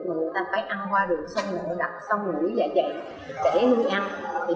mà người ta phải ăn qua đường sông đặt sông ngủ dạ dậy để nuôi ăn